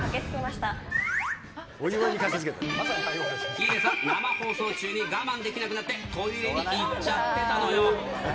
ヒデさん、生放送中に我慢できなくなって、トイレに行っちゃってたのよ。